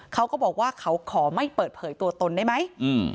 เขาก็บอกว่าเขาขอไม่เปิดเผยตัวตนได้ไหม